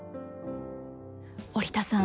織田さん